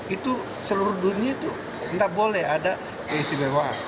itu seluruh dunia itu enggak boleh ada istimewa